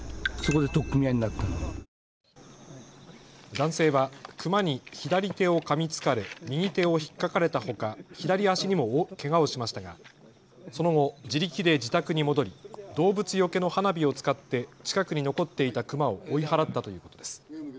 男性はクマに左手をかみつかれ右手をひっかかれたほか左足にもけがをしましたがその後、自力で自宅に戻り動物よけの花火を使って近くに残っていたクマを追い払ったということです。